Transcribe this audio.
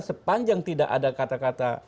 sepanjang tidak ada kata kata